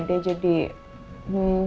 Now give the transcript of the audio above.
dia jadi pohon pohonan gitu